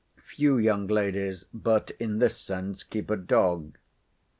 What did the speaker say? Few young ladies but in this sense keep a dog.